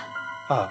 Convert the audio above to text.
ああ。